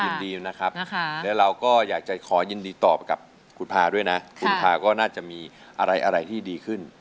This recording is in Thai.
นะครับแล้วเราก็อยากจะขอยินดีตอบกับคุณพาด้วยนะคุณพาก็น่าจะมีอะไรอะไรที่ดีขึ้น